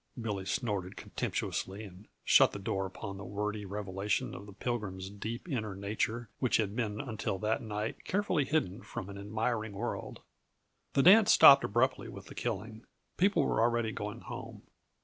Billy snorted contemptuously and shut the door upon the wordy revelation of the Pilgrim's deep inner nature which had been until that night carefully hidden from an admiring world. The dance stopped abruptly with the killing; people were already going home.